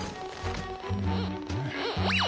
うん。